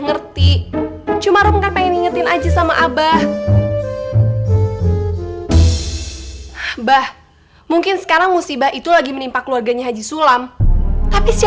mereka gak tahu kekuatan warga kau lagi